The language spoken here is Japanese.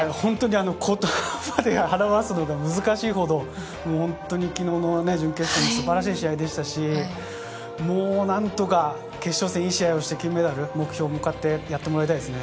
言葉で表すのが難しいほど昨日の準決勝も素晴らしい試合でしたし、何とか決勝戦、いい試合をして金メダルを目標に向かってやってもらいたいですね。